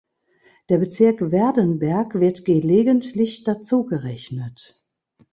Der Bezirk Werdenberg wird gelegentlich dazugerechnet.